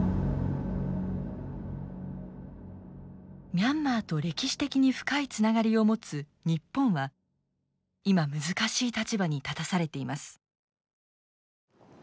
ミャンマーと歴史的に深いつながりを持つ日本は今難しい立場に立たされています。